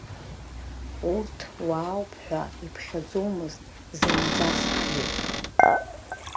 Урҭ уаауп ҳәа иԥхьаӡомызт зынӡаскгьы.